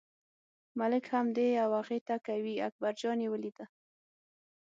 ملک هم هغې او دې ته کوي، اکبرجان یې ولیده.